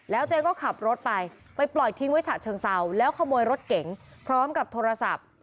แล้วตัวเองก็ขับรถไปไปปล่อยทิ้งไว้ฉะเชิงเซาแล้วขโมยรถเก๋งพร้อมกับโทรศัพท์